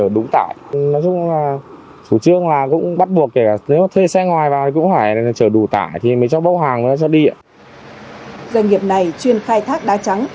doanh nghiệp này chuyên khai thác đá trắng